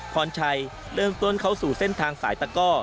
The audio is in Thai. พรชัยเริ่มต้นเข้าสู่เส้นทางสายตะก้อ